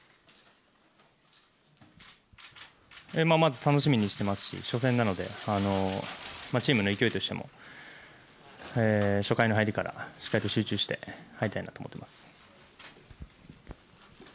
まず楽しみにしていますし初戦なのでチームの勢いとしても初回の入りからしっかりと集中して入りたいと思います。